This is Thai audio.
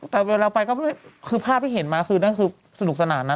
แต่เวลาไปก็คือภาพที่เห็นมาคือนั่นคือสนุกสนานนะ